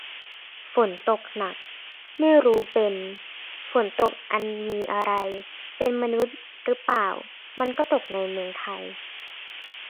ฝนตกหนัก ไม่รู้เป็น ฝนตกอันมีอะไรเป็นมนุษย์ รึเปล่า ก็มันตกในเมืองไทย